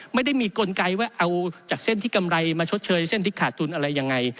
ไม่ได้มีกลไกว่าเอาจากเส้นที่กำไรมาชดเชยเส้นที่ขาดทุนอะไรยังไง